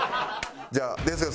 じゃあですよ。